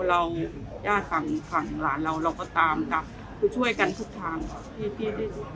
เราญาติฝั่งฝั่งหลานเราเราก็ตามกับคือช่วยกันทุกทางที่ที่ที่ที่จะตามได้